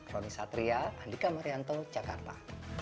roni satria andika marianto jakarta